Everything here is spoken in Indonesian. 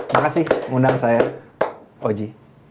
makasih undang saya oji